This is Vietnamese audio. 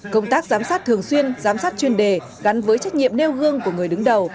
công tác giám sát thường xuyên giám sát chuyên đề gắn với trách nhiệm nêu gương của người đứng đầu